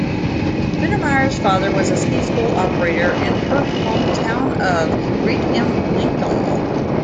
Mittermaier's father was a ski school operator in her home town of Reit-im-Winkl.